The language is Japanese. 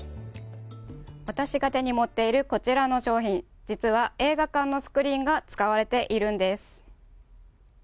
私が手に持っているこちらの商品、実は映画館のスクリーンが使われているんです。